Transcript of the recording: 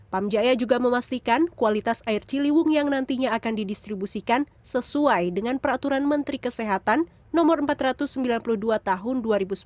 pamjaya juga memastikan kualitas air ciliwung yang nantinya akan didistribusikan sesuai dengan peraturan menteri kesehatan no empat ratus sembilan puluh dua tahun dua ribu sembilan belas